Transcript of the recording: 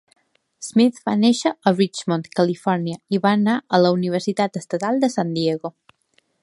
Smith va néixer a Richmond, California, i va anar a la Universitat Estatal de San Diego.